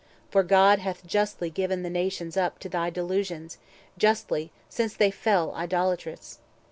For God hath justly given the nations up To thy delusions; justly, since they fell Idolatrous.